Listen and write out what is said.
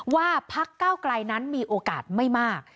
ว่าภาคก้าวกลายนั้นมีโอกาสไม่มาก